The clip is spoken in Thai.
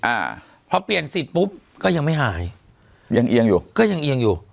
อ่าพอเปลี่ยนสิทธิ์ปุ๊บก็ยังไม่หายยังเอียงอยู่ก็ยังเอียงอยู่